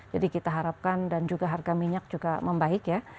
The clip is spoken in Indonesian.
jadi kita harapkan dan juga harga minyak juga membaik ya